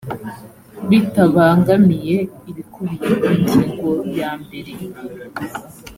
bitabangamiye ibikubiye mu ngingo ya mbere